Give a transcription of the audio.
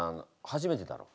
初めてだろ？